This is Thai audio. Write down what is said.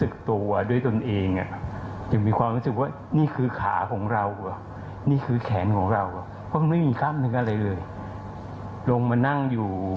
ก็มีความรู้สึกว่าเหนื่อยมากเลย